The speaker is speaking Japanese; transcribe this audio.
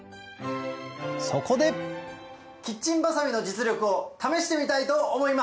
そこでキッチンバサミの実力を試してみたいと思います！